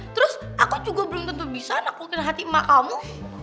terus aku juga belum tentu bisa naklukin hati emak kamu